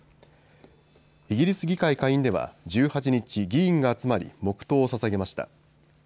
イギリス議会下院では１８日、議員が集まり黙とうをささげました。